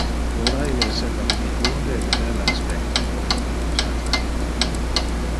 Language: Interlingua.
Ora ille esseva rubicunde e de belle aspecto, con oculos attrahente.